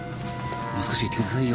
もう少しいてくださいよ。